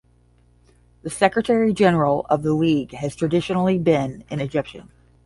The Secretary General of the League has traditionally been an Egyptian.